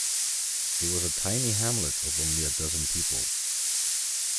It was a tiny hamlet of only a dozen people.